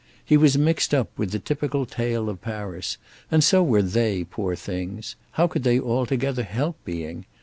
He was mixed up with the typical tale of Paris, and so were they, poor things—how could they all together help being?